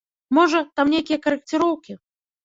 Можа, там нейкія карэкціроўкі.